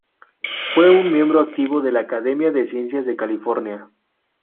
Fue un miembro activo de la Academia de Ciencias de California.